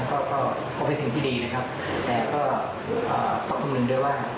ก็ก็เป็นสิ่งที่ดีนะครับแต่ก็ต้องคำนึงด้วยว่า